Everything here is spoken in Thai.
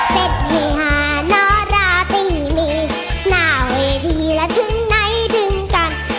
เจ็ดเฮฮานราติมีหน้าเวทีและถึงไหนถึงกัน